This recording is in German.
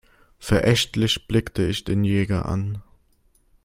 Verächtlich blickte ich den Jäger an.